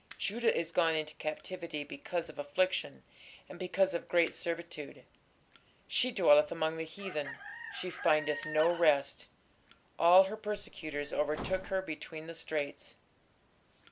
Judah is gone into captivity because of affliction, and because of great servitude: she dwelleth among the heathen, she findeth no rest: all her persecutors overtook her between the straits....